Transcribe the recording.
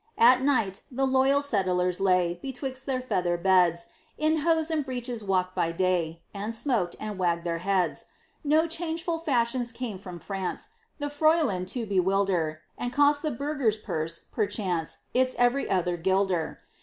At night the loyal settlers lay Betwixt their feather beds; In hose and breeches walked by day, And smoked, and wagged their heads. No changeful fashions came from France, The freulen to bewilder, And cost the burgher's purse, perchance, Its every other guilder.